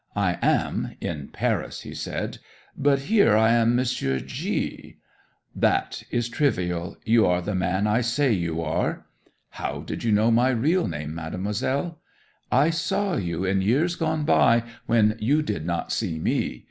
"I am in Paris," he said. "But here I am Monsieur G ." '"That is trivial. You are the man I say you are." '"How did you know my real name, Mademoiselle?" '"I saw you in years gone by, when you did not see me.